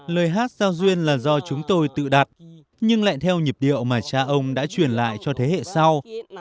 lời hát giao duyên là do chúng tôi tự đặt nhưng lại theo nhịp điệu mà cha ông đã truyền lại cho thế hệ sau